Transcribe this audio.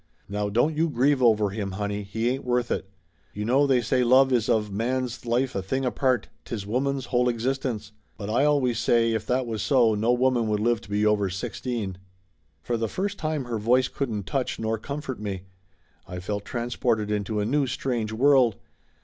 Now don't you grieve over him, honey, he ain't worth it. You know they say love is of man's life a thing apart, 'tis woman's whole existence. But I always say if that was so no woman would live to be over sixteen !" For the first time her voice couldn't touch nor com fort me. I felt transported into a new strange world.